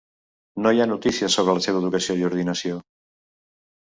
No hi ha notícies sobre la seva educació i ordinació.